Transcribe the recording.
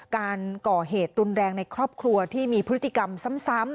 การก่อเหตุรุนแรงในครอบครัวที่มีพฤติกรรมซ้ำ